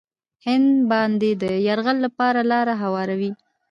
هند باندې د یرغل لپاره لاره هواروي.